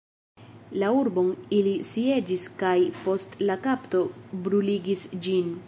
La urbon ili sieĝis kaj, post la kapto, bruligis ĝin.